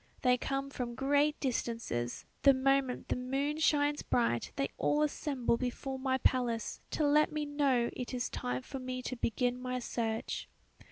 They come from great distances; the moment the moon shines bright they all assemble before my palace to let me know it is time for me to begin my search.